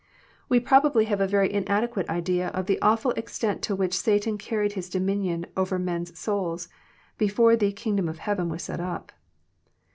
We probably have a very inadequate idea of the awful extent to which Satan carried his dominion over men's souls before the kingdom of heaven " was set up.